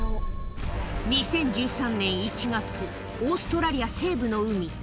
２０１３年１月、オーストラリア西部の海。